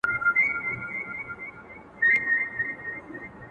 زړه مي ورېږدېدی.